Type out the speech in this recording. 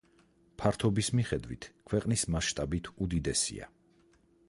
ფართობის მიხედვით ქვეყნის მასშტაბით უდიდესია.